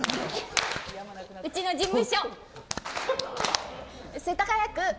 うちの事務所。